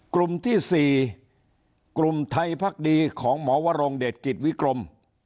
กลุ่มที่๔กลุ่มไทยพักดีของหมอวรงเดชกิจวิกรม